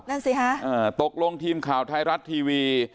นั่นสิฮะตกลงทีมข่าวไทยรัฐทีวี